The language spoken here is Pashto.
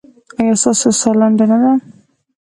ایا ستاسو ساه لنډه نه ده؟